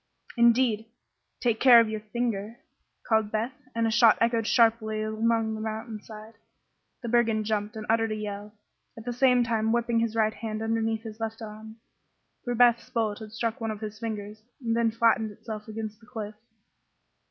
"Indeed! Take care of your finger," called Beth, and a shot echoed sharply along the mountain side. The brigand jumped and uttered a yell, at the same time whipping his right hand underneath his left arm; for Beth's bullet had struck one of his fingers and then flattened itself against the cliff.